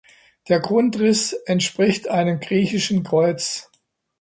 Der Grundriss entspricht einem griechischen Kreuz.